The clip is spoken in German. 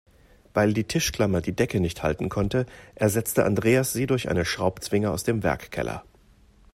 Weil die Tischklammer die Decke nicht halten konnte, ersetzte Andreas sie durch eine Schraubzwinge aus dem Werkkeller.